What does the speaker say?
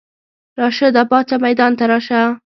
راشده پاڅه ميدان ته راشه!